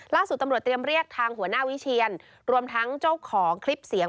ล่าสุดตำรวจเตรียมเรียกทางหัวหน้าวิเชียนรวมทั้งเจ้าของคลิปเสียง